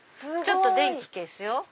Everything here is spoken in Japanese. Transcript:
ちょっと電気消すよ。